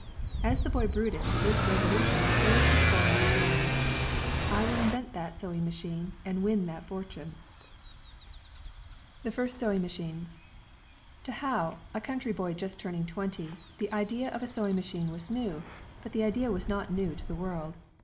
As the boy brooded, this resolution slowly took form in his mind: "I will invent that sewing machine and win that fortune." ELIAS HOWE The First Sewing Machines To Howe, a country boy just turning twenty, the idea of a sewing machine was new, but the idea was not new to the world.